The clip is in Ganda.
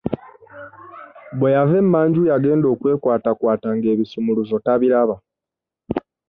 Bwe yava emmanju yagenda okwekwatakwata nga ebisumuluzo tabiraba.